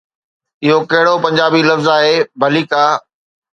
اهو ڪهڙو پنجابي لفظ آهي، ڀليڪا.